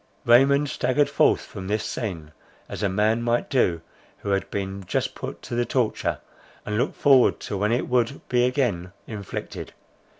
Raymond staggered forth from this scene, as a man might do, who had been just put to the torture, and looked forward to when it would be again inflicted.